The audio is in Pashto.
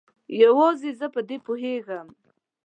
یوازې زه په دې پوهیږم